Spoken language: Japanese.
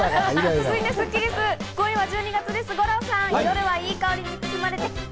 続いてスッキりす、５位は１２月、五郎さん。